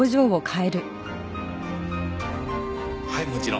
はいもちろん。